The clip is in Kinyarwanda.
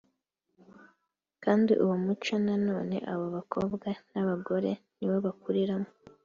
kandi uwo muco na none abo bakobwa n’abagore niwo bakuriramo